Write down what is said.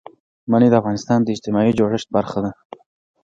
منی د افغانستان د اجتماعي جوړښت برخه ده.